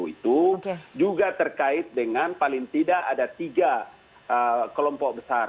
itu juga terkait dengan paling tidak ada tiga kelompok besar